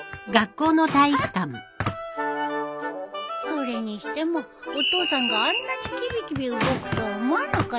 それにしてもお父さんがあんなにキビキビ動くとは思わなかったよ。